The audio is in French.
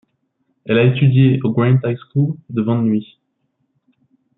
Elle a étudié au Grant High School de Van Nuys.